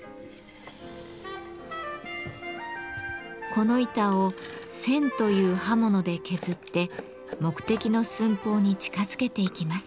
この板を「銑」という刃物で削って目的の寸法に近づけていきます。